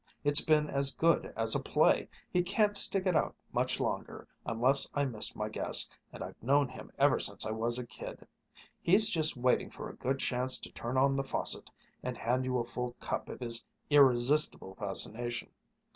It's been as good as a play! He can't stick it out much longer, unless I miss my guess, and I've known him ever since I was a kid. He's just waiting for a good chance to turn on the faucet and hand you a full cup of his irresistible fascination."